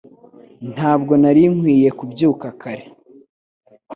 Ntabwo nari nkwiye kubyuka kare